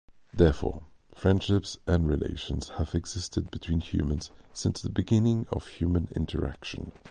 Therefore, friendships and relations have existed between humans since the beginning of human interaction.